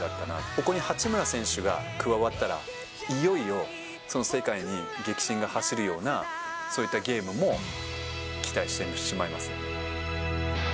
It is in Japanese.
ここに八村選手が加わったら、いよいよその世界に激震が走るような、そういったゲームも期待してしまいます。